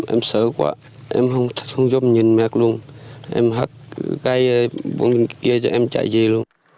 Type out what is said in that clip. em sợ quá em không giúp nhìn mẹ luôn em hát cái bóng đèn kia cho em chạy về luôn